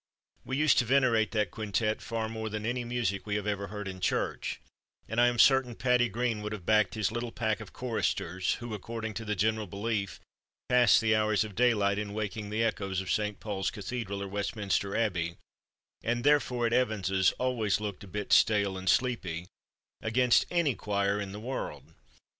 We used to venerate that quintette far more than any music we ever heard in church, and I am certain "Paddy" Green would have backed his little pack of choristers who, according to the general belief, passed the hours of daylight in waking the echoes of St. Paul's Cathedral, or Westminster Abbey, and therefore, at Evans's, always looked a bit stale and sleepy against any choir in the world.